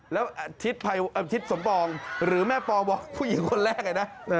แล้วอาทิตย์สมปองหรือแม่ปองบอกผู้หญิงคนแรกเลยนะ